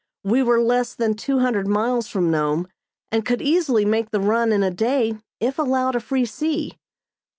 We were less than two hundred miles from Nome and could easily make the run in a day if allowed a free sea.